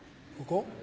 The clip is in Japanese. ここ？